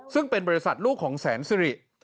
ซึ่งเป็นบริษัทลูกของแสนสิริ